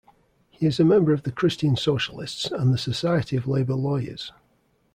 He is a member of the Christian Socialists and the Society of Labour Lawyers.